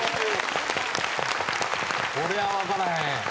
こりゃ分からへん。